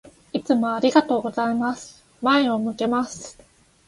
いつもありがとうございます。前を向けます。